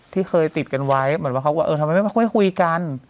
ที่เคยติดกันไว้ปรับความว่าควกคุยกัน